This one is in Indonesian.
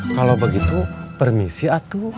kalau begitu permisi atu